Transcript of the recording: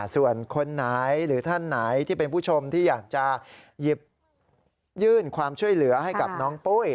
ส่วนคนไหนที่เป็นผู้ชมที่อยากจะยื่นความช่วยเหลือให้กับน้องปู้ย